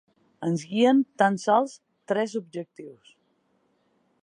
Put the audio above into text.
Ens guien tan sols tres objectius.